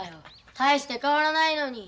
大して変わらないのに。